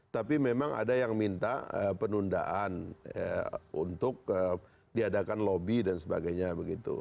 tapi memang ada yang minta penundaan untuk diadakan lobby dan sebagainya begitu